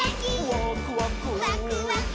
「ワクワク」ワクワク。